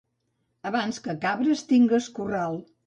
Abans que cabres, tingues corral.